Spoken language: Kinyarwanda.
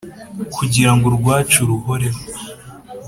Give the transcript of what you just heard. Kugira ngo urwacu ruhoreho